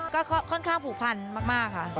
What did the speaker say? ก็ค่อนข้างผูกพันมากค่ะ